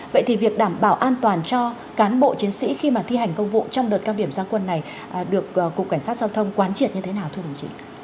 vậy thì việc đảm bảo an toàn cho cán bộ chiến sĩ khi mà thi hành công vụ trong đợt cao điểm gia quân này được cục cảnh sát giao thông quán triệt như thế nào thưa đồng chí